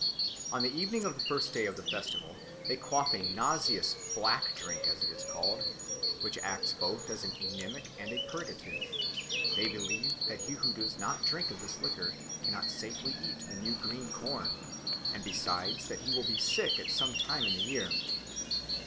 On the evening of the first day of the festival they quaff a nauseous "Black Drink," as it is called, which acts both as an emetic and a purgative; they believe that he who does not drink of this liquor cannot safely eat the new green corn, and besides that he will be sick at some time in the year.